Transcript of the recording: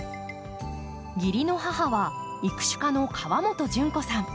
義理の母は育種家の河本純子さん。